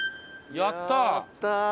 やったー！